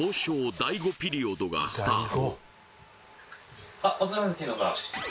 第５ピリオドがスタート